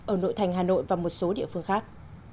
ở nội thành hà nội và một số địa phương khác